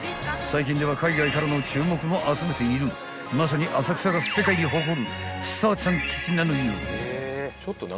［最近では海外からの注目も集めているまさに浅草が世界に誇るスターちゃんたちなのよ］